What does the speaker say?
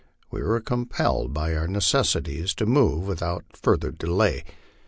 We were compelled by our necessities to move without further delay.